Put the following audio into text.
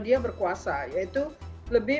dia berkuasa yaitu lebih